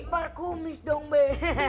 parkumis dong be